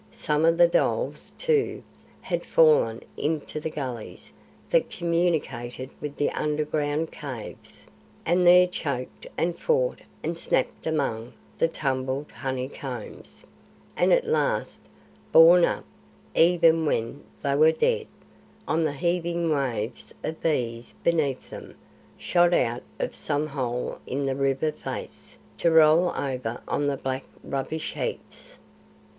Some of the dholes, too, had fallen into the gullies that communicated with the underground caves, and there choked and fought and snapped among the tumbled honeycombs, and at last, borne up, even when they were dead, on the heaving waves of bees beneath them, shot out of some hole in the river face, to roll over on the black rubbish heaps.